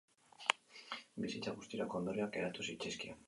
Bizitza guztirako ondorioak geratu zitzaizkion.